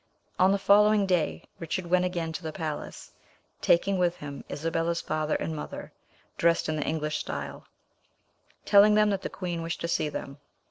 On the following day, Richard went again to the palace, taking with him Isabella's father and mother, dressed in the English style, telling them that the queen wished to see them.